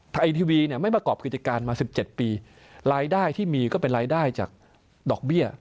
ไอทีวีเนี่ยไม่ประกอบกิจการมา๑๗ปีรายได้ที่มีก็เป็นรายได้จากดอกเบี้ย